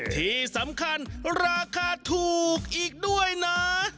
ที่สำคัญราคาถูกอีกด้วยนะ